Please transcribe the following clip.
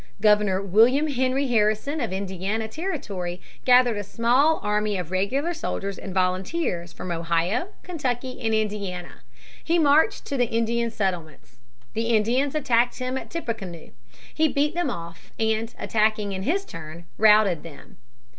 Governor William Henry Harrison of Indiana Territory gathered a small army of regular soldiers and volunteers from Ohio, Kentucky, and Indiana. He marched to the Indian settlements. The Indians attacked him at Tippecanoe. He beat them off and, attacking in his turn, routed them.